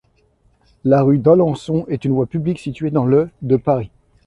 La rue d'Alençon est une voie publique située dans le de Paris.